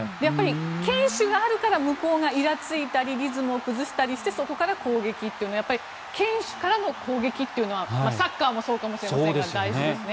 堅守があるから向こうがイラついたりリズムを崩したりしてそこから攻撃というやはり堅守からの攻撃というのはサッカーもそうかもしれませんが大事ですね。